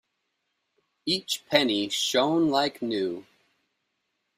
Each penny shone like new.